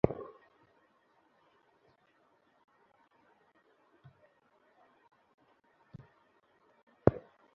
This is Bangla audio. আমি আপনাকে ও আপনার সম্প্রদায়কে স্পষ্ট ভ্রান্তিতে দেখছি।